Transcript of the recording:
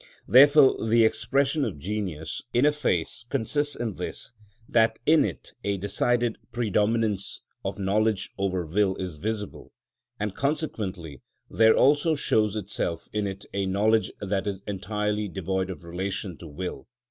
Therefore the expression of genius in a face consists in this, that in it a decided predominance of knowledge over will is visible, and consequently there also shows itself in it a knowledge that is entirely devoid of relation to will, _i.